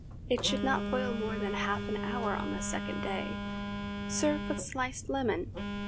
It should not boil more than half an hour on the second day. Serve with sliced lemon.